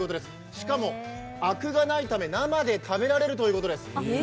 しかもアクがないため生で食べられるということです。